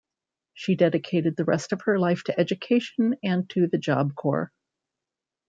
She dedicated the rest of her life to education and to the Job Corps.